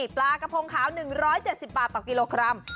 ปลากระพงขาว๑๗๐บาทต่อกิโลกรัม